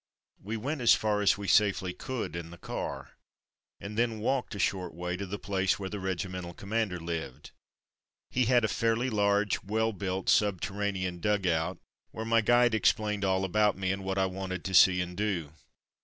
We went as far as we safely could in the car, and then walked a short way to the place where the regimental commander lived. He had a fairly large, well built subterranean dugout, where my i66 Going the Rounds 167 guide explained all about me, and what I wanted to see and do.